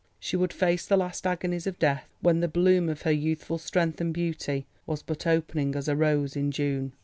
She would face the last agonies of death when the bloom of her youthful strength and beauty was but opening as a rose in June.